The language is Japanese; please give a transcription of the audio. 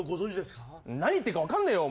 何言ってっか分かんねえよお前。